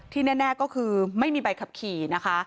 แน่ก็คือไม่มีใบขับขี่นะคะ